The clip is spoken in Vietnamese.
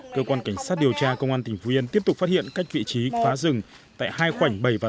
cơ quan cảnh sát điều tra công an tỉnh phú yên tiếp tục phát hiện cách vị trí phá rừng tại hai khoảnh bảy và tám